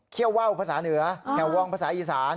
ท่าวว่าวภาษานึยาแจว่องภาษาอีสาน